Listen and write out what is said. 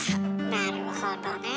なるほどね。